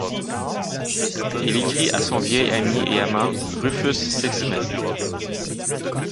Il écrit à son vieil ami et amant Rufus Sixsmith.